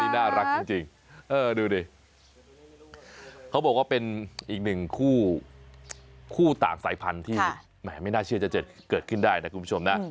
น่ารักจริงดูดิเขาบอกว่าเป็นอีกหนึ่งคู่ต่างสายพันธุ์ที่แหมไม่น่าเชื่อจะเกิดขึ้นได้นะคุณผู้ชมนะ